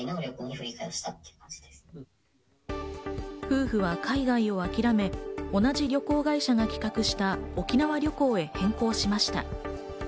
夫婦は海外は諦め、同じ旅行会社が企画した沖縄旅行へ変更しました。